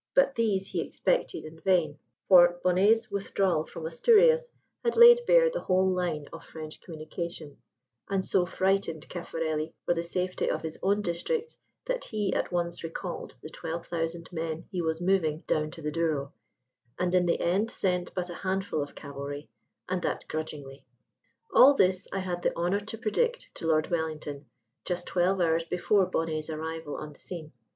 But these he expected in vain: for Bonnet's withdrawal from Asturias had laid bare the whole line of French communication, and so frightened Caffarelli for the safety of his own districts that he at once recalled the twelve thousand men he was moving down to the Douro, and in the end sent but a handful of cavalry, and that grudgingly. All this I had the honour to predict to Lord Wellington just twelve hours before Bonnet's arrival on the scene.